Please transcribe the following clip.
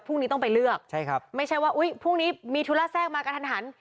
พรุ่งนี้ต้องไปเลือกใช่ครับไม่ใช่ว่าอุ๊ยพรุ่งนี้มีธุระแทรกมากระทันหัน